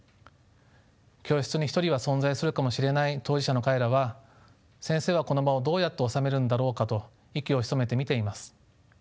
教室に一人は存在するかもしれない当事者の彼らは先生はこの場をどうやっておさめるんだろうかと息を潜めて見ています。